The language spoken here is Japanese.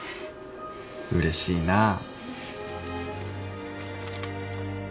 うれしいなぁ。